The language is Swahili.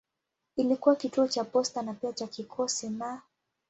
Ilikuwa kituo cha posta na pia cha kikosi na.